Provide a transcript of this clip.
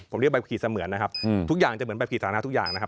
ผมเรียกว่าแบบขี่เสมือนนะครับ